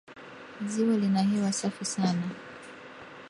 Ziwa lina hewa safi sana